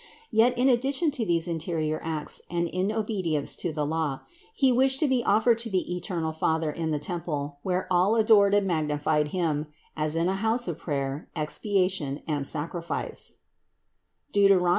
Yet, in addition to these interior acts and in obedience to the law, He wished to be offered to the eternal Father in the temple where all adored and magnified Him, as in a house of prayer, expiation and sacrifice (Deut.